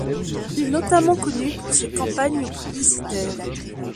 Il est notamment connu pour ses campagnes publicitaires.